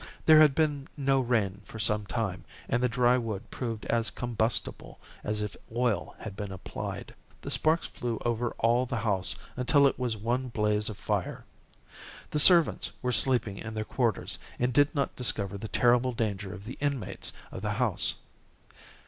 There had been no rain for some time, and the dry wood proved as combustible as if oil had been applied. The sparks flew over all the house until it was one blaze of fire. The servants were sleeping in their quarters, and did not discover the terrible danger of the inmates of the house.